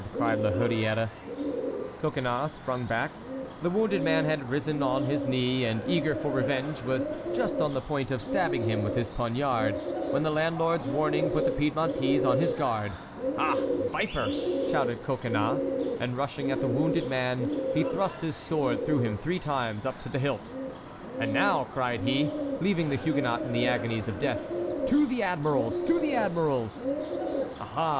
cried La Hurière. Coconnas sprung back. The wounded man had risen on his knee, and, eager for revenge, was just on the point of stabbing him with his poniard, when the landlord's warning put the Piedmontese on his guard. "Ah, viper!" shouted Coconnas; and rushing at the wounded man, he thrust his sword through him three times up to the hilt. "And now," cried he, leaving the Huguenot in the agonies of death, "to the admiral's!—to the admiral's!" "Aha!